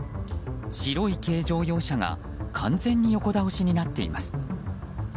白い軽乗用車が完全に横倒しになっています。